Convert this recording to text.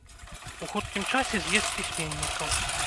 У хуткім часе з'езд пісьменнікаў.